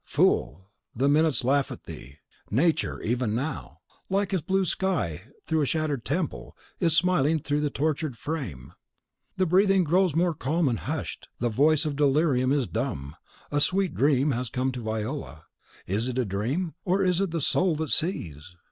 Fool! the minutes laugh at thee; Nature, even now, like a blue sky through a shattered temple, is smiling through the tortured frame. The breathing grows more calm and hushed; the voice of delirium is dumb, a sweet dream has come to Viola. Is it a dream, or is it the soul that sees?